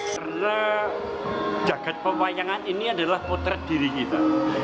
karena jagad pewayangan ini adalah potret diri kita